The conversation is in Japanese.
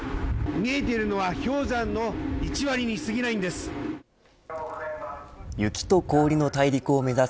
見えているのは氷山の１割にすぎないんです。